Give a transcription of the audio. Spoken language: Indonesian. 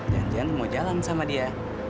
jangan jangan mau jalan sama dia